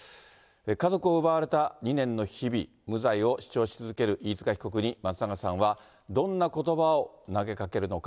家族を奪われた２年の日々、無罪を主張し続ける飯塚被告に、松永さんはどんなことばを投げかけるのか。